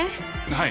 はい。